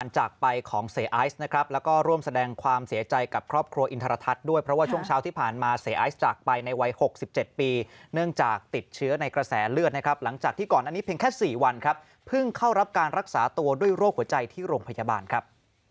จากไปของเสียไอซ์นะครับแล้วก็ร่วมแสดงความเสียใจกับครอบครัวอินทรทัศน์ด้วยเพราะว่าช่วงเช้าที่ผ่านมาเสียไอซ์จากไปในวัย๖๗ปีเนื่องจากติดเชื้อในกระแสเลือดนะครับหลังจากที่ก่อนอันนี้เพียงแค่๔วันครับเพิ่งเข้ารับการรักษาตัวด้วยโรคหัวใจที่โรงพยาบาลครับ